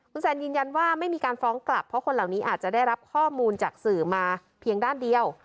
คุณแซนยืนยันว่าไม่มีการฟ้องกลับเพราะคนเหล่านี้อาจจะได้รับข้อมูลจากสื่อมาเพียงด้านเดียว